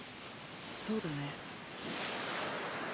そうだね。